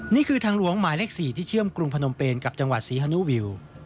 นี่คือทางหลวงหมายเลข๔ที่เชื่อมกรุงพนมเปนกับจังหวัดศรีฮานุวิว